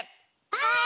はい！